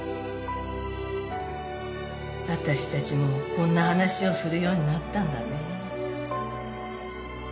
私たちもこんな話をするようになったんだねえ。